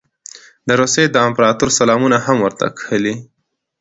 د روسیې د امپراطور سلامونه هم ورته کښلي.